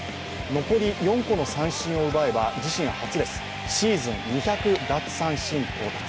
残り４個の三振を奪えず、自身初、シーズン２００奪三振到達。